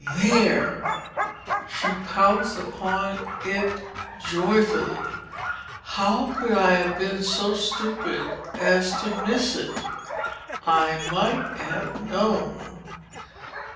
"There!" she pounced upon it joyfully. "How could I have been so stupid as to miss it—I might have known!"